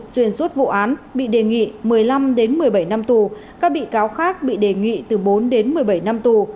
xuyên suốt vụ án bị đề nghị một mươi năm một mươi bảy năm tù các bị cáo khác bị đề nghị từ bốn đến một mươi bảy năm tù